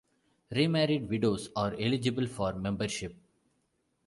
Remarried widows are eligible for membership.